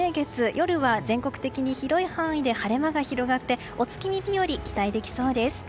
夜は全国的に広い範囲で晴れ間が広がってお月見日和が期待できそうです。